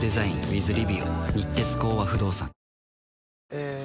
え